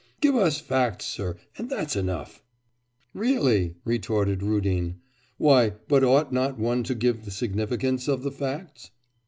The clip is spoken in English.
Give us facts, sir, and that's enough!' 'Really!' retorted Rudin, 'why, but ought not one to give the significance of the facts?